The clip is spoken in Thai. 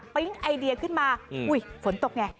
ปิ๊งไอเดียขึ้นมาฝนตกไง